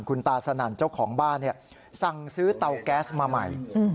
คุณตาสนั่นเจ้าของบ้านสั่งซื้อเตาแก๊สมาใหม่